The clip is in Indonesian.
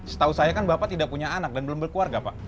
setahu saya kan bapak tidak punya anak dan belum berkeluarga pak